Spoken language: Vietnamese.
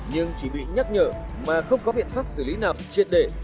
nhưng chỉ bị nhắc nhở mà không có biện pháp xử lý nào triệt để